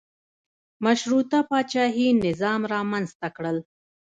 مشروطه پاچاهي نظام رامنځته کړل.